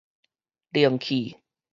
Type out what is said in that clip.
靈氣